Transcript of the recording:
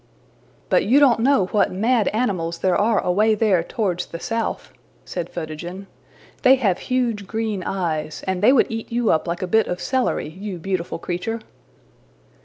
'' ``But you don't know what mad animals there are away there towards the south,'' said Photogen. ``They have huge green eyes, and they would eat you up like a bit of celery, you beautiful creature!''